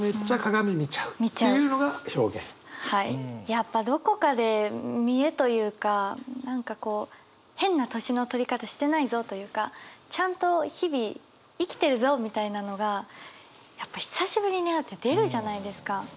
やっぱどこかで見えというか何かこう変な年の取り方してないぞというかちゃんと日々生きてるぞみたいなのがやっぱ久しぶりに会うって出るじゃないですか。